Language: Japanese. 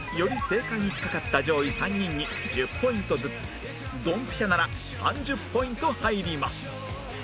正解に近かった上位３人に１０ポイントずつドンピシャなら３０ポイント入ります